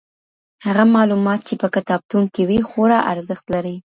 هغه معلومات چي په کتابتون کي وي خورا ارزښت لري.